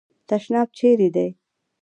تشناب چیري دی ؟